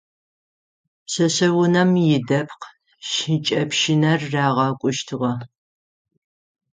Пшъэшъэунэм идэпкъ шыкӏэпщынэр рагъэкӏущтыгъэ.